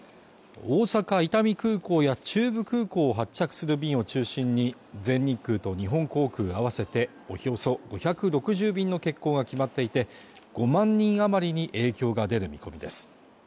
大阪・伊丹空港や中部空港を発着する便を中心に全日空と日本航空合わせておよそ５６０便の欠航が決まっていて５万人あまりに影響が出る見込みです